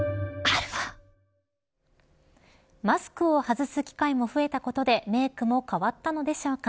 マスクを外す機会も増えたことでメークも変わったのでしょうか。